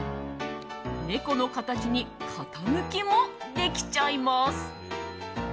猫の形に型抜きもできちゃいます。